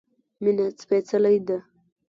مينه سپيڅلی ده